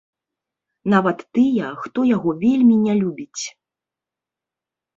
Нават тыя, хто яго вельмі не любіць.